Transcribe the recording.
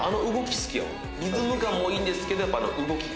リズム感もいいんですけどやっぱあの動き。